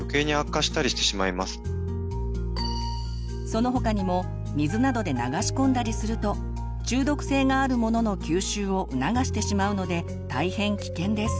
その他にも水などで流し込んだりすると中毒性があるものの吸収をうながしてしまうので大変危険です。